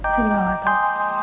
saya gak tau